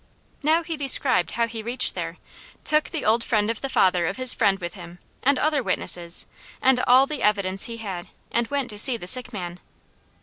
Now, he described how he reached there, took the old friend of the father of his friend with him, and other witnesses, and all the evidence he had, and went to see the sick man.